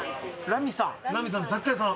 「ラミさん